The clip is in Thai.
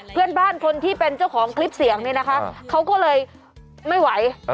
เพื่อนบ้านคนที่เป็นเจ้าของคลิปเสียงเนี่ยนะคะเขาก็เลยไม่ไหว